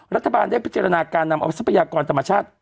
รัฐบาลได้พิจารณาการนำเอาทรัพยากรธรรมชาติ